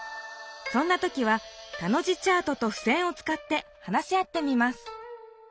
そんな時は田の字チャートとふせんをつかって話し合ってみます。